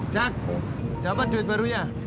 jack dapet duit barunya